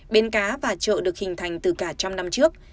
bến cá và chợ được hình thành từ cả trăm năm trước